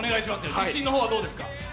自信の方はどうですか？